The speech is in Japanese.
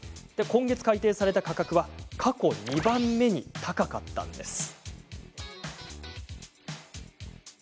今月、改定された価格は過去２番目に高かったんです。